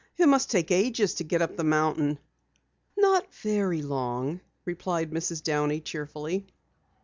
"It must take ages to get up the mountain." "Not very long," replied Mrs. Downey cheerfully.